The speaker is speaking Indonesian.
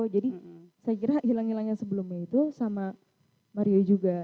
jadi saya kira hilang hilangnya sebelumnya itu sama mario juga